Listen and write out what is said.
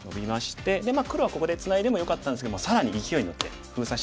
で黒はここでツナいでもよかったんですけど更にいきおいに乗って封鎖しにいきました。